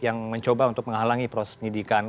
yang mencoba untuk menghalangi proses penyidikan